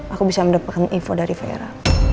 aku bisa mendapatkan info dari vera